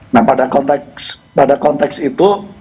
nah pada konteks pada konteks itu